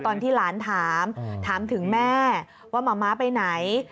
ตอนที่หลานถามถามถึงแม่ว่าหมาม้าไปไหน